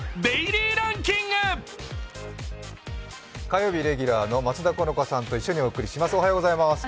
火曜日レギュラーの松田好花さんと一緒にお伝えします。